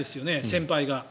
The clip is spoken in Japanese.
先輩が。